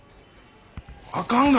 あかんがな。